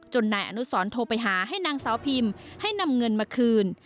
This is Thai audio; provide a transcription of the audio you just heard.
นายอนุสรโทรไปหาให้นางสาวพิมให้นำเงินมาคืน